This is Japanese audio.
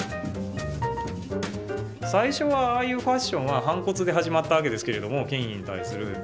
最初はああいうファッションは反骨で始まった訳ですけども権威に対する。